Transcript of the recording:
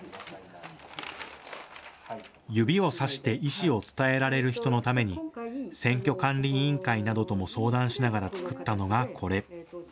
指を差して意思を伝えられる人のために選挙管理委員会などとも相談しながら作ったのがこれ。